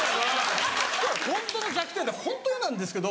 ホントの弱点でホント嫌なんですけど